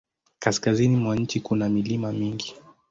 Kaskazini mwa nchi kuna milima mingi.